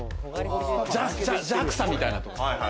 ＪＡＸＡみたいなとこ。